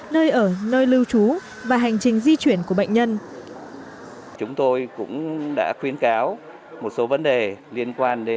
nơi ở nơi lưu trú và hành trình di chuyển của bệnh nhân